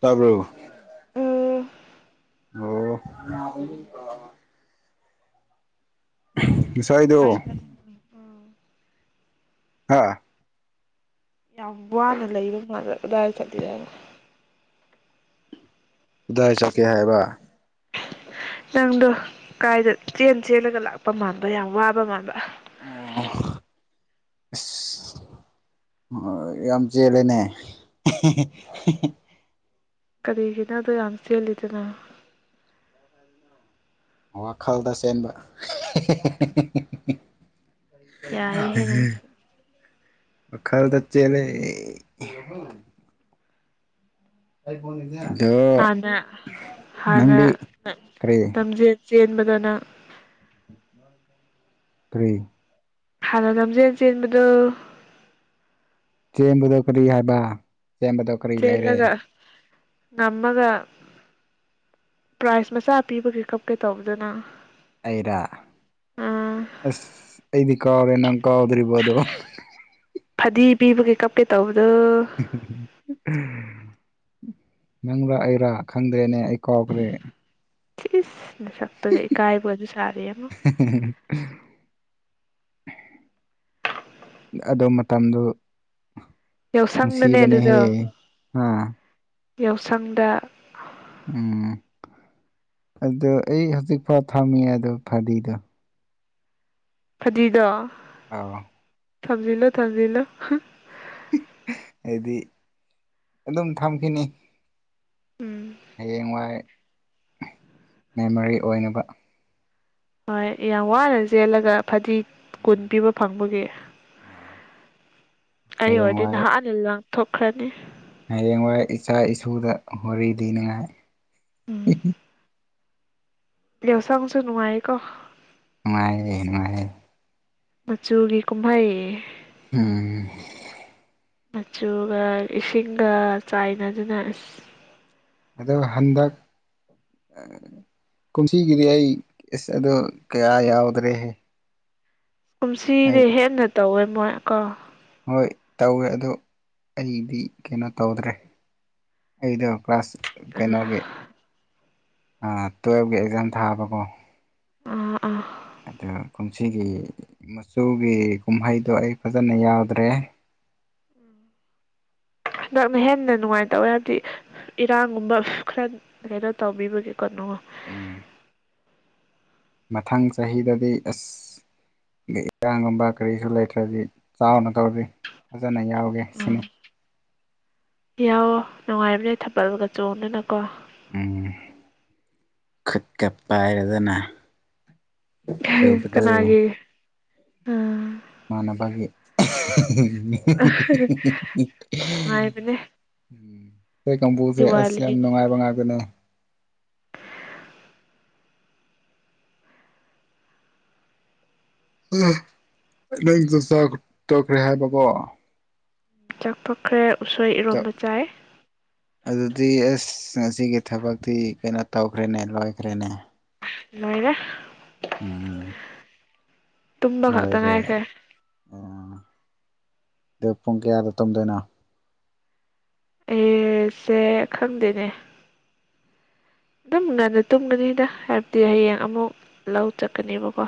ꯇꯥꯕ꯭ꯔꯣ ꯌꯥꯝ ꯑꯣ ꯉꯁꯥꯏꯗꯣ [inaudible] ꯑꯥ ꯌꯥꯝ ꯋꯥꯅ ꯂꯩꯕ ꯃꯥꯜꯂ ꯑꯗꯨꯗꯥꯏ ꯆꯠꯕꯤꯗ ꯀꯗꯥꯏ ꯆꯧꯀꯦ ꯍꯥꯏꯕ ꯅꯪꯗꯣ ꯀꯥꯏꯗ ꯆꯦꯟ ꯆꯦꯜꯂꯒ ꯂꯥꯛꯄ ꯃꯥꯟꯕ ꯌꯥꯝ ꯋꯥꯕ ꯃꯥꯟꯕ ꯑꯣ ꯑꯁ [inaudible] ꯌꯥꯝ ꯆꯂꯅꯦ ꯀꯔꯤ ꯏꯅ ꯑꯗꯨ ꯑꯟꯁꯤ ꯂꯩꯗꯅ ꯋꯥꯈꯜꯗ ꯆꯦꯟꯕ ꯌꯥꯏꯍꯦ ꯅꯪꯁꯨ ꯎꯝ ꯑ ꯈꯔꯦ ꯇꯆꯦꯅꯦ ꯑꯗꯣ ꯍꯥꯟꯅ ꯅꯪꯗꯤ ꯀꯔꯤ ꯕꯗꯅ ꯇꯦ ꯍꯅꯣ ꯂꯝꯖꯦꯟ ꯆꯦꯟꯕꯗꯨ ꯆꯦꯟꯕꯗꯣ ꯀꯔꯤ ꯍꯥꯏꯕ ꯆꯦꯟꯕꯗꯣ ꯀꯔꯤ ꯂꯩꯔꯦ ꯆꯦꯜꯂꯒ ꯉꯝꯃꯒ ꯄ꯭ꯔꯥꯏꯖ ꯃꯆꯥ ꯄꯤꯕꯒꯤꯦ ꯀꯞꯀꯦ ꯇꯧꯕꯗꯅ ꯑꯩꯔ ꯑꯁ ꯑꯩꯗꯤ ꯀꯥꯎꯗꯦ ꯅꯪ ꯀꯥꯎꯗ꯭ꯔꯤꯕꯕ ꯑꯗꯣ ꯐꯗꯤ ꯄꯤꯕꯒꯤ ꯀꯞꯦ ꯇꯧ ꯍꯨꯍꯨ ꯑ ꯅꯪꯕꯥ ꯑꯩꯔꯥ ꯈꯪꯗ꯭ꯔꯦꯅꯦ ꯑꯩ ꯀꯥꯎꯈ꯭ꯔꯦ ꯅꯁꯛꯇꯨꯒ ꯏꯀꯥꯏꯕꯨ ꯑꯗꯨ ꯁꯔ ꯌꯥꯝꯃ ꯑꯗꯨ ꯃꯇꯝꯗꯨ ꯌꯥꯎꯁꯪꯗꯅꯦ ꯉꯁꯤꯕꯅꯦꯍꯦ ꯑꯗꯨꯗꯣ ꯍꯥꯥ ꯌꯥꯎꯁꯪꯗ ꯎꯝ ꯑꯗꯨ ꯑꯩ ꯍꯧꯖꯤꯛꯐꯥꯎ ꯊꯝꯃꯤ ꯑꯗꯣ ꯐꯗꯤꯗꯣ ꯐꯗꯤꯗꯣ ꯑ ꯊꯝꯖ ꯂꯣ ꯊꯝꯖ ꯂꯣ ꯍꯥꯏꯗꯤ ꯑꯗꯨꯝ ꯊꯝꯈꯤꯅꯤ ꯎꯝ ꯍꯌꯦꯡ ꯋꯥꯏ ꯃꯦꯃꯣꯔꯤ ꯑꯣꯏꯅꯕ ꯍꯣꯏ ꯌꯥꯝ ꯋꯥꯅ ꯆꯦꯜꯂꯒ ꯐꯗꯤ ꯀꯨꯟ ꯄꯤꯕ ꯐꯪꯕꯒꯤ ꯑꯥ ꯑꯩ ꯑꯣꯏꯔꯗꯤ ꯍꯌꯦꯡꯋꯥꯏ ꯅꯍꯥꯛ ꯑꯅꯤ ꯂꯪ ꯊꯣꯛꯈ꯭ꯔꯅꯤ ꯍꯌꯦꯡꯋꯥꯏ ꯏꯆꯥ ꯏꯁꯨꯗ ꯍꯣꯔꯤ ꯊꯤꯅꯤꯡꯉꯥꯏ ꯗꯦꯁꯥꯥꯡꯁꯨꯅꯅꯨꯡꯉꯥꯏ ꯀꯣ ꯃꯥꯌꯦ ꯃꯥ ꯃꯆꯨꯒꯤ ꯀꯨꯝꯍꯩ ꯎꯝ ꯃꯆꯨꯒ ꯏꯁꯤꯡꯒ ꯆꯥꯏꯅꯗꯨꯅ ꯑꯁ ꯑ ꯍꯟꯗꯛ ꯀꯨꯝꯁꯤꯒꯤꯗꯤ ꯑꯩ ꯑꯦꯁ ꯑꯣ ꯀꯌꯥ ꯌꯥꯎꯗ꯭ꯔꯦꯍꯦ ꯑꯩ ꯀꯨꯝꯁꯤꯗꯤ ꯍꯦꯟꯅ ꯇꯧꯋꯦ ꯃꯣꯏ ꯀꯣ ꯍꯣꯏ ꯇꯧꯋꯦ ꯑꯗꯣ ꯑꯩꯗꯤ ꯀꯩꯅꯣ ꯇꯧꯗ꯭ꯔꯦ ꯑꯩꯗꯣ ꯀ꯭ꯂꯥꯁ ꯑꯥ ꯀꯩꯅꯣꯒꯤ ꯇꯨꯋꯦꯜꯐꯀꯤ ꯑꯦꯛꯖꯥꯝ ꯊꯥꯕꯀꯣ ꯑ ꯑꯥ ꯑ ꯀꯨꯝꯁꯤꯒꯤ ꯃꯆꯨꯒꯤ ꯀꯨꯝꯍꯩꯗꯣ ꯑꯩ ꯐꯖꯅ ꯌꯥꯎꯗ꯭ꯔꯦ ꯎ ꯅꯪꯅ ꯍꯦꯟꯅ ꯅꯨꯡꯉꯥꯏꯇꯧꯋꯦ ꯍꯥꯏꯕꯗꯤ ꯏꯔꯥꯡꯒꯨꯝꯕ ꯈꯔ ꯀꯩꯅꯣ ꯇꯧꯕꯤꯕꯒꯦ ꯀꯣꯣꯉꯣ ꯎꯝ ꯃꯊꯪ ꯆꯍꯤꯗꯗꯤ ꯑꯁ ꯑꯩ ꯏꯖꯥꯡꯒꯨꯝꯕ ꯀꯔꯤꯁꯨ ꯂꯩꯇ꯭ꯔꯗꯤ ꯆꯥꯎꯅ ꯇꯧꯔꯤ ꯐꯖꯅ ꯌꯥꯎꯒꯦ ꯁꯤꯅꯤ ꯌꯥꯋꯣ ꯅꯨꯡꯉꯥꯏꯕꯅꯦ ꯊꯥꯕꯜꯒ ꯆꯣꯡꯗꯅꯀꯣ ꯎꯝ ꯈꯨꯠꯀ ꯄꯥꯏꯔꯗꯅ ꯇꯧꯕꯗꯨ ꯀꯅꯥꯒꯤ ꯑ ꯃꯥꯅꯅꯕꯒꯤ ꯅꯨꯡꯉꯥꯏꯕꯅꯦ [unintelligible] ꯑꯩ ꯀꯥꯡꯕꯨꯁꯦ ꯑꯁ ꯌꯥꯝ ꯗꯤꯋꯥꯂꯤ ꯅꯨꯡꯉꯥꯏꯕ ꯉꯥꯏꯒꯅꯨ ꯅꯪ ꯇꯧꯈ꯭ꯔꯦ ꯍꯥꯏꯕꯕꯣ ꯆꯥꯛꯊꯣꯛꯈ꯭ꯔꯦ ꯎꯁꯣꯏ ꯏꯔꯣꯝꯕ ꯆꯥꯏ ꯑꯗꯨꯗꯤ ꯑꯁ ꯉꯁꯤꯒꯤ ꯊꯕꯛꯇꯤ ꯀꯩꯅꯣ ꯇꯧꯈ꯭ꯔꯦꯅꯦ ꯂꯣꯏꯈ꯭ꯔꯦꯅꯦ ꯅꯣꯏꯔꯦ ꯎꯝ ꯇꯨꯝꯕ ꯂ ꯑ ꯈꯛꯇ ꯉꯥꯏꯈ꯭ꯔꯦ ꯑꯗ ꯄꯨꯡ ꯀꯌꯥꯗ ꯇꯝꯗꯣꯏꯅꯣ ꯑꯦꯁꯦ ꯈꯪꯗꯦꯅꯦ ꯑꯗꯨꯝ ꯉꯅ ꯇꯨꯝꯒꯅꯤꯗ ꯍꯥꯏꯕꯗꯤ ꯍꯌꯦꯡ ꯑꯃꯨꯛ ꯂꯧ ꯆꯠꯀꯅꯦꯕꯀꯣ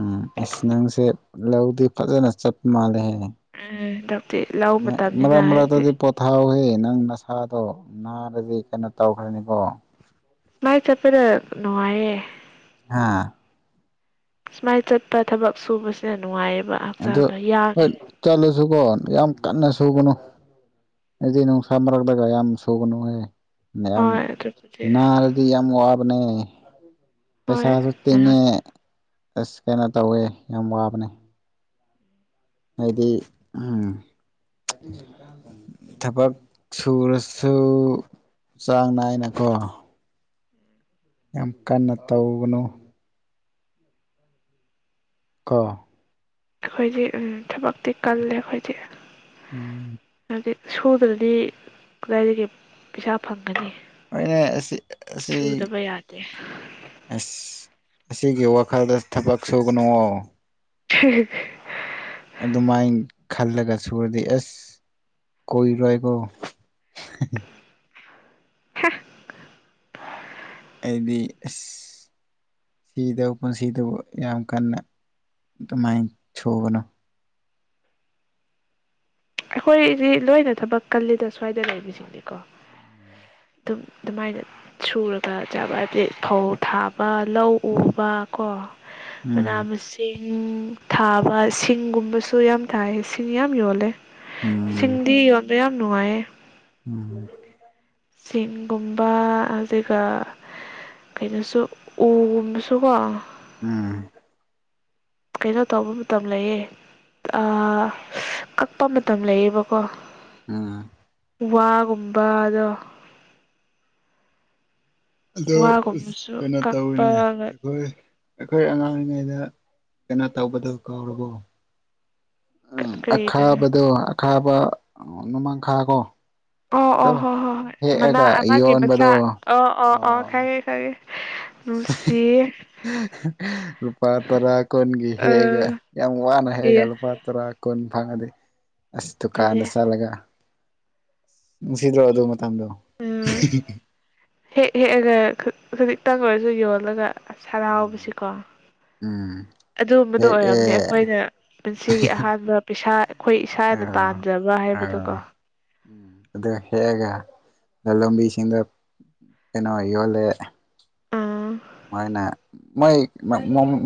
ꯎꯝ ꯑꯁ ꯅꯪꯁꯦ ꯂꯧꯗꯤ ꯐꯖꯅ ꯆꯠꯄ ꯃꯥꯜꯂꯦꯍ ꯍꯟꯗꯛꯇꯤ ꯂꯧ ꯃ ꯃꯇꯝꯅꯤꯅ ꯑꯃꯔ ꯍꯥꯏꯕꯗꯤ ꯇꯗꯤ ꯄꯣꯊꯥ ꯍꯅ ꯅꯪ ꯅꯁꯥꯗꯣ ꯅꯥꯔꯗꯤ ꯀꯩꯅꯣ ꯇꯧꯈ꯭ꯔꯅꯤꯀꯣ ꯥꯏ ꯆꯠꯄꯦꯗ ꯅꯨꯡꯉꯥꯏꯦ ꯍꯥꯥ ꯁꯨꯃꯥꯏꯅ ꯆꯠꯄ ꯊꯕꯛ ꯁꯨꯕꯁꯤꯅ ꯅꯨꯡꯉꯥꯏꯌꯦꯕ ꯍꯛꯆꯥꯡꯗꯣ ꯌꯥꯉꯦ ꯁꯀꯣ ꯌꯥꯝ ꯀꯟꯅ ꯁꯨꯒꯅꯨ ꯑꯦꯗꯤꯅ ꯁꯃꯔꯒꯗꯒ ꯌꯥꯝ ꯑꯃ ꯁꯒꯅ ꯍꯌꯦ ꯌꯥꯝ ꯍꯣꯏ ꯑꯗꯨꯕꯨꯗꯤ ꯅ ꯍꯥꯏꯗꯤ ꯌꯥꯝ ꯋꯥꯕꯅꯦ ꯍꯣꯏ ꯄꯩꯁꯥꯁꯨ ꯅꯍꯥꯟ ꯇꯤꯡꯉꯦ ꯑꯁ ꯀꯩꯅꯣ ꯇꯧꯋꯦ ꯌꯥꯝ ꯋꯥꯕꯅꯦ ꯍꯥꯏꯗꯤ ꯎꯝ ꯊꯕꯛ ꯁꯨꯔꯁꯨ ꯆꯥꯡ ꯅꯥꯏꯅꯀꯣ ꯌꯥꯝ ꯀꯟꯅ ꯇꯒꯅꯨ ꯀꯥ ꯑꯩꯈꯣꯏꯗꯤ ꯊꯕꯛꯇꯤ ꯀꯜꯂꯦ ꯑꯩꯈꯣꯏꯗꯤ ꯎꯝ ꯍꯥꯏꯗꯤ ꯁꯨꯗ꯭ꯔꯗꯤ ꯀꯗꯥꯏꯗꯒꯤ ꯄꯩꯁꯥ ꯐꯪꯒꯅꯤ ꯑꯅꯦ ꯑꯁꯤ ꯑꯁꯤ ꯦ ꯑꯁ ꯑꯁꯤꯒꯤ ꯋꯥꯈꯜꯗ ꯊꯕꯛ ꯁꯨꯒꯅꯨ ꯍ ꯑꯗꯨꯃꯥꯏꯅ ꯈꯜꯂꯒ ꯁꯨꯔꯗꯤ ꯑꯦꯁ ꯀꯣꯏꯔꯣꯏꯀꯣ [unintelligible] [unintelligible] ꯍꯥꯏꯗꯤ ꯑꯦ ꯁꯤꯗꯕꯨ ꯄꯨꯟꯁꯤꯗꯕꯨ ꯌꯥꯝ ꯀꯟꯅ ꯑꯗꯨꯃꯥꯏꯅ ꯁꯨꯧꯕꯅꯣ ꯑꯩꯈꯣꯏꯗꯤ ꯂꯣꯏꯅ ꯊꯕꯛ ꯀꯜꯂꯤꯗ ꯁ꯭ꯋꯥꯏꯗ ꯂꯩꯕꯁꯤꯡꯅꯤꯀꯣ ꯑꯗꯨꯝ ꯑꯗꯨꯃꯥꯏꯅ ꯁꯨꯔꯒ ꯆꯥꯕ ꯍꯥꯏꯕꯗꯤ ꯐꯧ ꯊꯥꯕ ꯂꯧ ꯎꯕ ꯀꯣ ꯃꯅꯥ ꯎꯝ ꯃꯁꯤꯡ ꯊꯥꯕ ꯁꯤꯡꯒꯨꯝꯕꯁꯨ ꯌꯥꯝ ꯊꯥꯏ ꯁꯤꯡ ꯌꯥꯝ ꯌꯣꯜꯂꯦ ꯎꯝ ꯁꯤꯡꯗꯤꯣꯟꯗꯣ ꯌꯥꯝ ꯅꯨꯡꯉꯥꯏꯌꯦ ꯎꯝ ꯁꯤꯡꯒꯨꯝꯕ ꯑꯗꯨꯒ ꯀꯩꯅꯣꯁꯨ ꯎꯒꯨꯝꯕ ꯁꯨꯡꯒ ꯎꯝ ꯀꯩꯅꯣ ꯇꯧꯕ ꯃꯇꯝ ꯂꯩꯌꯦ ꯑꯥ ꯀꯛꯄ ꯃꯇꯝ ꯂꯩꯌꯦꯕꯀꯣ ꯎꯝ ꯎ ꯋꯥꯒꯨꯝꯕ ꯑꯗꯣ ꯑꯗꯣ ꯀꯩꯅꯣ ꯇꯧꯤꯅꯦ ꯀꯛꯄꯒ ꯑꯩꯈꯣꯏ ꯑꯩꯈꯣꯏ ꯑꯉꯥꯡ ꯑꯣꯏꯔꯤꯉꯩꯗ ꯀꯩꯅꯣ ꯇꯧꯕꯗꯣ ꯀꯥꯎꯔꯕꯣ ꯎꯝ ꯀꯔꯤꯗꯨꯅꯣ ꯑꯈꯥꯕꯗꯣ ꯑꯈꯥꯕ ꯅꯣꯡꯃꯥꯡꯈꯥ ꯀꯣ ꯑꯣ ꯑꯗꯣ ꯑꯣ ꯍꯣ ꯍꯣ ꯍꯣꯏ ꯃꯅꯥ ꯍꯦꯛꯑꯒ ꯑꯃꯒꯤ ꯃꯆꯥ ꯌꯣꯟꯕꯗꯣ ꯑꯣ ꯑꯣ ꯑꯣ ꯈꯥꯏꯔꯦ ꯈꯥꯏꯔꯦ ꯂꯨꯁꯤ ꯂꯨꯄꯥ ꯇꯔꯥ ꯀꯣꯟꯒꯤ ꯍꯦꯒ ꯑꯥ ꯌꯥꯝ ꯋꯥꯅ ꯍꯦꯒ ꯑꯦ ꯂꯨꯄꯥ ꯇꯔꯥ ꯀꯣꯟ ꯐꯪꯉꯗꯤ ꯑꯁ ꯗꯨꯀꯥꯟꯗ ꯑꯗꯨꯅꯦ ꯆꯠꯂꯒ ꯅꯨꯡꯁꯤꯗ꯭ꯔꯣ ꯑꯗꯨ ꯃꯇꯝꯗꯣ ꯎꯝ ꯍꯦꯛ ꯍꯦꯛꯑꯒ ꯈꯖꯤꯛꯇꯪ ꯑꯣꯏꯔꯁꯨ ꯌꯣꯜꯂꯒ ꯑꯁ ꯎꯝ ꯁꯔꯥꯎꯕꯁꯤꯀꯣ ꯎꯝ ꯑꯗꯨꯒꯝꯕꯗꯨꯣ ꯑꯣꯏꯔꯝꯅꯤ ꯍꯦꯛꯑꯦ ꯑꯩꯈꯣꯏꯅ ꯄꯨꯟꯁꯤꯒꯤ ꯑꯍꯥꯟꯕ ꯄꯩꯁꯥ ꯑꯩꯈꯣꯏ ꯏꯁꯥꯅ ꯑꯥ ꯇꯥꯟꯖꯕ ꯍꯥꯏꯕꯗꯨꯀꯣ ꯑꯥ ꯂꯝꯕꯤꯁꯤꯡꯗ ꯀꯩꯅꯣ ꯌꯣꯜꯂꯦ ꯑꯥ ꯃꯣꯏꯅ ꯃꯣꯏ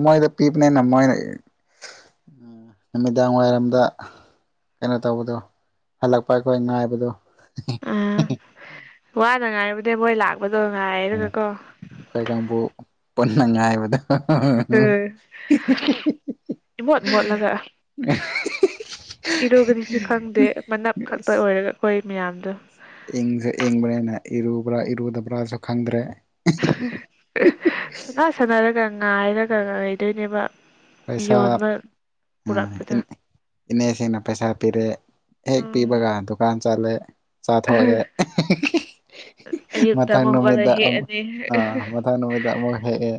ꯃꯣꯏ ꯄꯤꯕꯅꯦ ꯃꯣꯏ ꯎꯝ ꯅꯨꯃꯤꯗꯥꯡ ꯋꯥꯏꯔꯝꯗ ꯀꯩꯅꯣ ꯇꯧꯕꯗꯣ ꯍꯜꯂꯛꯄ ꯑꯩꯈꯣꯏ ꯉꯥꯏꯕꯗꯣ ꯑꯥ ꯋꯥꯅ ꯉꯥꯏꯔꯨꯗꯤ ꯃꯣꯏ ꯂꯥꯛꯄꯗꯣ ꯉꯥꯏꯔꯒꯀꯣ ꯄꯨꯟꯅꯅꯨꯡꯉꯥꯏꯕꯗ ꯎꯝ ꯌꯠ ꯃꯠ ꯂꯥꯛ ꯏꯔꯣꯒꯗꯤꯁꯨ ꯈꯪꯗꯦ ꯃꯅꯞ ꯈꯛꯇ ꯑꯁ ꯑꯣꯏꯔꯒ ꯑꯩꯈꯣꯏ ꯃꯌꯥꯝꯗꯣ ꯏꯪꯁꯨ ꯏꯪꯕꯅꯦꯅ ꯏꯔꯨꯕ꯭ꯔꯥ ꯏꯔꯨꯗꯕ꯭ꯔꯥꯁꯨ ꯈꯪꯗ꯭ꯔꯦ ꯁꯅꯥ ꯁꯥꯟꯅꯔꯒ ꯉꯥꯏꯔꯒ ꯉ ꯂꯩꯗꯣꯏꯅꯦꯕ ꯑꯣꯅ ꯎ ꯏꯅꯦꯁꯤꯡꯅ ꯄꯩꯁꯥ ꯄꯤꯔꯦ ꯍꯦꯛ ꯄꯤꯕꯒ ꯗꯨꯀꯥꯟ ꯆꯠꯂꯦ ꯆꯥꯊꯣꯛꯑꯦ ꯑꯌꯨꯛꯇ ꯃꯊꯪ ꯑꯃꯨꯛ ꯍꯧꯒꯠꯂ ꯅꯨꯃꯤꯠꯇ ꯑꯃꯛ ꯍꯦꯛꯑꯅꯤ ꯑꯥ ꯃꯊꯪ ꯅꯨꯃꯤꯠꯇ ꯑꯃꯨꯛ ꯍꯦꯛꯑꯦ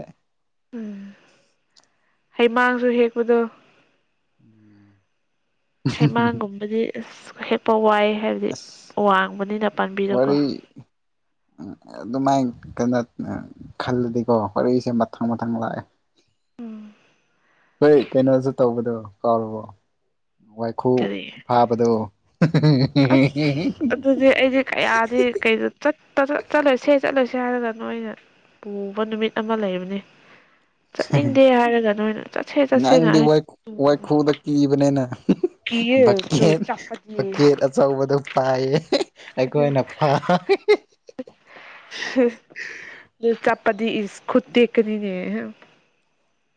ꯎꯝ ꯍꯩꯃꯥꯡꯁꯨ ꯍꯦꯛꯄꯗꯣ ꯎꯝ ꯍꯩꯃꯥꯟꯒꯨꯝꯕꯗꯤ ꯑꯁ ꯍꯦꯛꯄ ꯋꯥꯏ ꯍꯥꯏꯕꯗꯤ ꯋꯥꯡꯕꯅꯤꯅ ꯄꯥꯝꯕꯤꯗꯣꯀꯣ ꯃꯔꯤ ꯎ ꯑꯗꯨꯃꯥꯏꯅ ꯀꯩꯅꯣ ꯈꯜꯂꯗꯤꯀꯣ ꯋꯥꯔꯤꯁꯦ ꯃꯊꯪ ꯃꯊꯪ ꯂꯥꯛꯑꯦ ꯍꯣꯏ ꯀꯩꯅꯣꯁꯨ ꯇꯧꯕꯗꯣ ꯀꯥꯎꯔꯕꯣ ꯋꯥꯏꯈꯨ ꯀꯔꯤ ꯐꯥꯕꯗꯣ ꯑꯁ ꯑꯗꯨꯗꯤ ꯑꯩꯗꯤ ꯀꯌꯥꯗꯤ ꯀꯄ ꯆꯠꯂꯣꯏ ꯁꯦ ꯆꯠꯂꯣꯏꯁꯤ ꯏꯁꯥꯔꯗ ꯅꯣꯏꯅ ꯄꯨꯕ ꯅꯨꯃꯤꯠ ꯑꯃ ꯂꯩꯕꯅꯤ ꯆꯠꯅꯤꯡꯗꯦ ꯍꯥꯏꯔꯒ ꯅꯣꯏꯅ ꯆꯠꯁꯦ ꯆꯠꯁꯦꯅ ꯅꯪꯗꯤ ꯋꯥꯏ ꯋꯥꯏꯈꯨꯗ ꯀꯤꯕꯅꯤꯅ ꯀ ꯇꯨ ꯕꯛꯀꯦꯠ ꯆꯥꯛꯄꯠ ꯕꯛꯀꯦꯠ ꯑꯆꯧꯕꯗꯣ ꯄꯥꯏꯌꯦ ꯑꯩꯈꯣꯏꯅ ꯐꯥ [unintelligible] ꯄꯗꯤ ꯏꯁ ꯈꯨꯨꯠ ꯇ ꯀꯅꯤꯅꯦ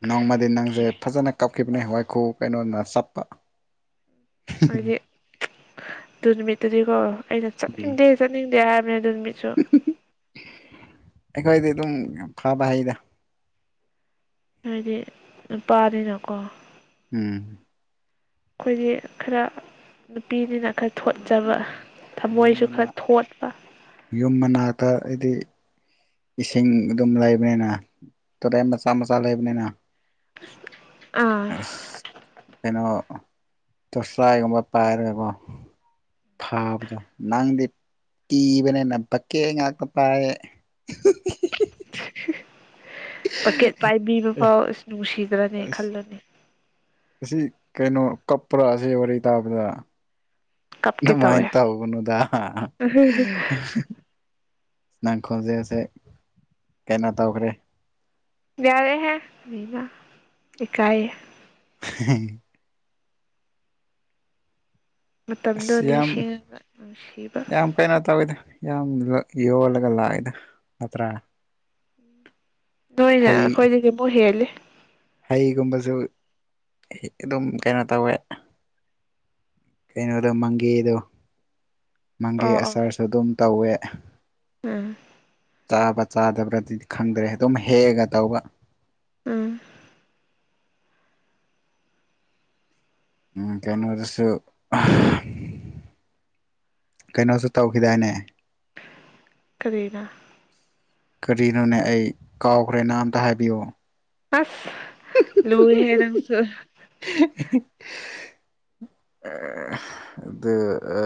ꯅꯣꯡꯃꯗꯤ ꯅꯪꯁꯦ ꯐꯖꯅ ꯀꯞꯈꯤꯕꯅꯦ ꯍꯋꯥꯏꯈꯨ ꯀꯩꯅꯣꯅ ꯆꯞꯄ ꯑꯩꯗꯤ ꯑꯗꯨꯃꯤꯠꯇꯗꯤꯀꯣ ꯑꯩꯅ ꯎꯝ ꯆꯠꯅꯤꯡꯗꯦ ꯆꯠꯅꯤꯡꯗꯦ ꯍꯥꯏꯕꯅꯦ ꯑꯗꯨ ꯅꯨ ꯃꯤꯠꯁꯨ ꯑꯩꯈꯣꯏꯗꯤ ꯑꯗꯨꯝ ꯐꯕ ꯍꯗ ꯍꯥꯏꯗꯤ ꯅꯨꯄꯥꯅꯤꯅꯀꯣ ꯎꯝ ꯑꯩꯈꯣꯏꯗꯤ ꯈꯔ ꯅꯨꯄꯤꯅꯤꯅ ꯈꯔ ꯊꯣꯠꯆꯕ ꯌꯨꯝ ꯊꯃꯣꯏꯁꯨ ꯃꯅꯥ ꯈꯔ ꯊꯣꯠꯄ ꯌꯨꯝ ꯃꯅꯥꯛꯇ ꯍꯥꯏꯗꯤ ꯏꯁꯤꯡ ꯑꯗꯨꯝ ꯂꯩꯕꯅꯤꯅ ꯇꯣꯇ ꯃꯆꯥ ꯃꯆꯥ ꯂꯩꯕꯅꯤꯅ [unintelligible] ꯑꯁ ꯀꯩꯅꯣ ꯇꯣꯁꯂꯥꯒꯨꯝꯕ ꯄꯥꯏꯔꯒꯦꯀꯣ ꯊꯥꯕꯗ ꯅꯪꯗꯤ ꯏꯕꯅꯦ ꯅꯕꯀꯦ ꯍꯉ ꯇꯥꯏ ꯄꯀꯦꯠ ꯄꯥꯏꯕꯤꯕ ꯑꯦ ꯐꯥꯎ ꯑꯁ ꯅꯨꯡꯁꯤꯗ꯭ꯔꯅꯤ ꯑꯁ ꯈꯜꯂꯅꯤ ꯑꯁꯤ ꯀꯩꯅꯣ ꯀꯞꯄꯔ ꯁꯤ ꯋꯥꯔꯤꯔꯤ ꯇꯥꯞꯗ ꯀꯞꯀꯦ ꯑꯗꯨꯃꯥꯏꯅ ꯇꯧꯋꯦ ꯇꯧꯕꯕꯅꯨꯗ ꯅꯪꯈꯣꯟꯜꯁꯦꯁꯦ ꯀꯩꯅꯣ ꯇꯧꯈ꯭ꯔꯦ ꯌꯥꯔꯦ ꯍꯥꯏ ꯏꯀꯑ ꯎ ꯑ ꯃꯇꯝꯗꯣ ꯌꯥꯝ ꯅꯤꯡꯁꯤꯡꯉꯒ ꯅꯨꯡꯁꯤꯕ ꯌꯥꯝ ꯀꯩ ꯅꯅꯥꯇ ꯑꯣꯏꯗ ꯌꯥꯝ ꯌꯣꯜꯂꯒ ꯂꯥꯛꯑꯦꯗ ꯅꯠꯇ꯭ꯔꯥ ꯅꯣꯏꯅ ꯍꯩ ꯑꯩꯈꯣꯏꯗꯗꯤ ꯑꯃꯨꯛ ꯍꯦꯂ ꯍꯩꯒꯨꯝꯕꯁꯨ ꯑꯗꯨꯝ ꯀꯩꯅꯣ ꯇꯧꯋꯦ ꯀꯩꯅꯣꯗꯣ ꯃꯪꯒꯦꯗꯣ ꯃꯪꯒꯦ ꯑꯣ ꯑꯆꯥꯔꯁꯨ ꯑꯗꯨꯝ ꯇꯧꯋꯦ ꯑꯝ ꯆꯥꯕ ꯆꯥꯗꯕ꯭ꯔꯗꯤ ꯈꯪꯗ꯭ꯔꯦ ꯑꯗꯨꯝ ꯍꯦꯛꯑꯒ ꯇꯧꯕ ꯎꯝ ꯎꯝ ꯀꯩꯅꯣ ꯑꯣꯏꯁꯨ ꯀꯩꯅꯣꯁ ꯇꯧꯈꯤꯗꯥꯏꯅꯦ ꯀꯔꯤꯅ ꯀꯔꯤꯅꯣꯅꯦ ꯑꯩ ꯀꯥꯎꯈ꯭ꯔꯦꯅ ꯑꯝꯇ ꯍꯥꯏꯕꯤꯌꯨ ꯑꯁ ꯂꯨ ꯍꯥꯏꯦ ꯅꯪꯁꯨ ꯑꯗꯨꯗ ꯑ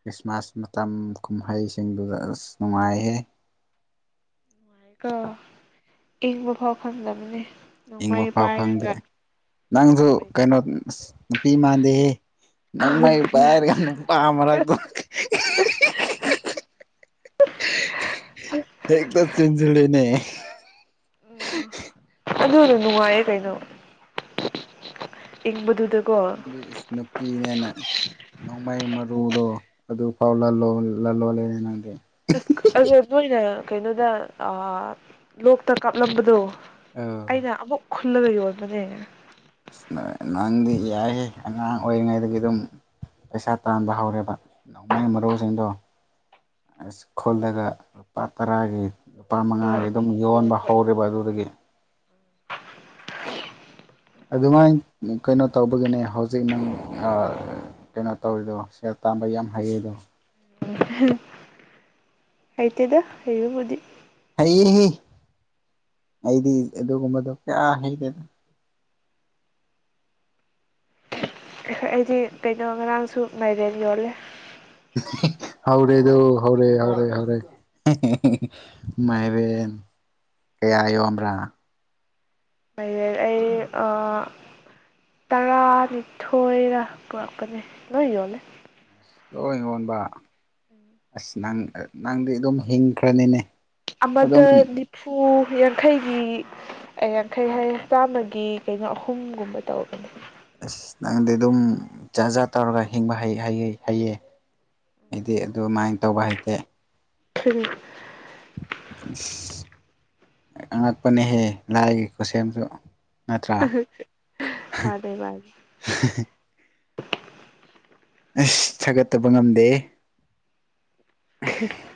ꯈ꯭ꯔꯤꯁꯃꯥꯁ ꯃꯇꯝ ꯀꯨꯝꯍꯩꯁꯤꯡꯗꯨꯗ ꯑꯁ ꯅꯨꯡꯉꯥꯏꯍꯦ ꯏꯪꯕ ꯐꯥꯎ ꯈꯪꯗꯕꯅꯦ ꯏꯪꯕ ꯅꯣꯡꯃꯩ ꯐꯥꯎ ꯈꯪꯗꯦ ꯄꯥꯏꯔꯒ ꯅꯪꯁꯨ ꯑꯉꯥꯡ ꯑꯣꯏꯔꯤꯀꯥꯟ ꯀꯩꯅꯣ ꯅꯨꯄꯤ ꯃꯥꯟꯗꯦꯍꯦ [unintelligible] ꯍꯗ ꯆꯖꯂꯤꯅꯦ [unintelligible] ꯑꯗꯨꯗ ꯅꯨꯡꯉꯥꯏꯌꯦꯦ ꯀꯩꯅꯣ ꯏꯪꯕꯗꯨ ꯅꯪꯒꯤ ꯏꯁ ꯅꯨꯄꯤꯅꯦꯅ ꯅꯣꯡꯃꯩ ꯃꯔꯨꯗꯣ ꯑꯗꯨ ꯐꯥꯎ ꯂꯜꯂꯣ ꯂꯜꯂꯣ ꯂꯩꯔꯦ ꯅꯪꯗꯤ ꯑꯁ ꯑꯣ ꯅꯣꯏꯅ ꯀꯩꯅꯣꯗ ꯂꯣꯛꯇ ꯀꯥꯞꯂꯝꯕꯗꯣ ꯑ ꯈꯨꯂꯒ ꯌꯕꯅꯦꯒ ꯑꯁ ꯅꯪꯗꯤ ꯌꯥꯏꯍꯦ ꯑꯉꯥꯡ ꯑꯣꯏꯔꯤꯉꯩꯗꯒꯤ ꯑꯗꯨꯝ ꯄꯩꯁꯥ ꯇꯥꯟꯕ ꯍꯧꯔꯦꯕ ꯅꯣꯡꯃꯒꯤ ꯃꯔꯨꯁꯤꯡꯗꯣ ꯑꯁ ꯈꯣꯜꯒ ꯄꯥ ꯇꯔꯒꯦ ꯂꯄꯥ ꯑꯥ ꯃꯉꯥꯒꯤ ꯑꯃꯨꯛ ꯑꯗꯨꯝ ꯌꯣꯟꯕ ꯍꯧꯔꯦꯕ ꯑꯗꯨꯗꯒꯤ [inaudible] ꯑꯗꯨꯃꯥꯏꯅ ꯀꯩꯅꯣ ꯇꯧꯕꯒꯤꯅꯦ ꯍꯧꯖꯤꯛ ꯅꯪ ꯀꯩꯅꯣ ꯇꯧꯔꯤꯗꯣ ꯁ ꯇ ꯑꯃ ꯍꯌꯦꯗ [inaudible] ꯍꯥꯏꯇꯗ ꯍꯕꯨꯗꯤ ꯍꯩ ꯑꯩꯗꯤ ꯑꯗꯨꯒꯨꯝꯕꯗꯣ ꯀꯌꯥ ꯍꯩꯔꯦꯅꯣ ꯑꯩꯗꯤ ꯀꯩꯅꯣ ꯉꯔꯥꯡꯁꯨ ꯃꯥꯏꯔꯦꯟ ꯌꯣꯜꯂꯦ [inaudible] ꯍꯧꯥꯎꯔꯦꯗꯣ ꯍꯧꯔꯦ ꯍꯧꯔꯦ ꯍꯧꯔꯦ ꯃꯥꯏꯔꯦꯟ ꯀꯌꯥꯌꯣꯕ꯭ꯔꯥꯅ ꯃ ꯑꯩ ꯑ ꯇꯔꯥꯅꯤꯊꯣꯏꯒ ꯄꯨꯔꯛꯄꯅꯦ ꯂꯣꯏ ꯌꯣꯜꯂꯦ ꯑꯁ ꯂꯣꯏ ꯌꯣꯟꯕ ꯑꯁ ꯅꯪ ꯅꯪꯗꯤ ꯑꯗꯨꯝ ꯍꯤꯡꯈ꯭ꯔꯅꯤꯅꯦ ꯑꯗꯨꯝ ꯑꯝꯕꯗ ꯂꯤꯐꯨ ꯌꯥꯡꯈꯩꯒꯤ ꯌꯥꯡꯈꯩ ꯍꯥꯏ ꯆꯥꯝꯃꯒꯤ ꯀꯩꯅꯣ ꯑꯍꯨꯝꯒꯨꯝꯕ ꯇꯧꯕꯅꯦ ꯅꯪꯗꯤ ꯑꯗꯨꯝ ꯆꯖꯥ ꯥ ꯇꯧꯔꯒ ꯍꯤꯡꯕ ꯍꯩꯌꯦ ꯑꯩꯗꯤ ꯑꯗꯨꯃꯥꯏꯅ ꯇꯧꯕ ꯍꯥꯏꯇꯦ ꯎ ꯑꯁ ꯑꯉꯛꯄꯅꯦꯍꯦ ꯂꯥꯏꯒꯤ ꯈꯨꯠꯁꯦꯝꯁꯨ ꯅꯠꯇ꯭ꯔ ꯍꯥꯟꯅꯩ ꯃꯥꯟꯗ꯭ꯔꯦ ꯑꯁ ꯊꯒꯠꯇꯕ ꯉꯝꯗꯦ [inaudible]